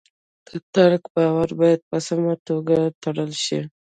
د ټرک بار باید په سمه توګه تړل شي.